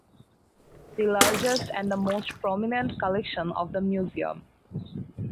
The largest and the most prominent collection of the museum.